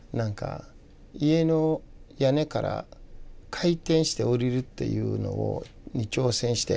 家の屋根から回転して下りるっていうのに挑戦して。